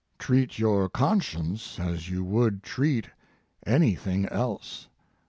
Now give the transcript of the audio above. Treat your con science as you would treat anything else.